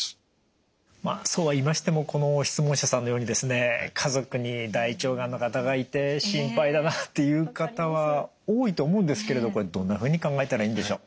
まあそうは言いましてもこの質問者さんのようにですね家族に大腸がんの方がいて心配だなという方は多いと思うんですけれどこれどんなふうに考えたらいいんでしょう？